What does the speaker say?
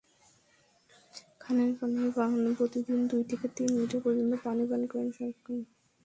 খানের পানি পানপ্রতিদিন দুই থেকে তিন লিটার পর্যন্ত পানি পান করেন শাহরুখ খান।